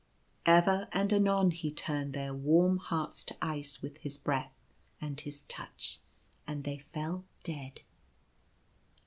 Ever and anon he turned their warm hearts to ice with his breath and his touch, and they fell dead.